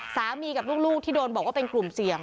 กับลูกที่โดนบอกว่าเป็นกลุ่มเสี่ยง